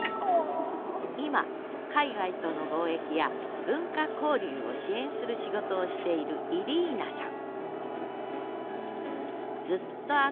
今海外との貿易や文化交流を支援する仕事をしているイリーナさん。